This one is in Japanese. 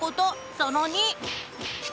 その２。